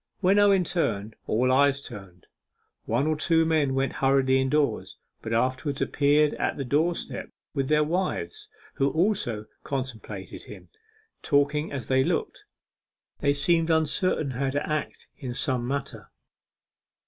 When Owen turned, all eyes turned; one or two men went hurriedly indoors, and afterwards appeared at the doorstep with their wives, who also contemplated him, talking as they looked. They seemed uncertain how to act in some matter.